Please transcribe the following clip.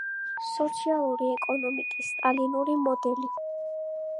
სოციალისტური ეკონომიკის სტალინური მოდელი.